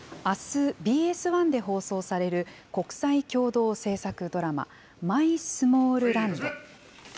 あす、ＢＳ１で放送される国際共同制作ドラマ、マイスモールランド。